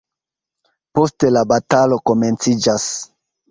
Poste la batalo komenciĝas.